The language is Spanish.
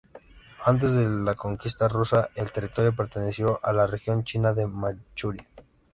Antes de la conquista rusa, el territorio perteneció a la región china de Manchuria.